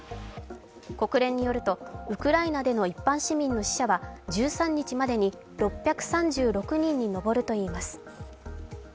国連によるとウクライナでの一般市民の死者は１３日までに６３６人に上るといいます